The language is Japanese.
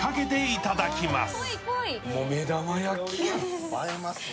いただきます。